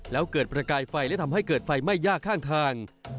แล้วเกิดประกายไฟและทำให้เกิดไฟไหม้ยากข้างทาง